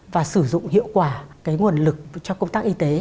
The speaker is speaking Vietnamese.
và sử dụng hiệu quả cái nguồn lực cho công tác y tế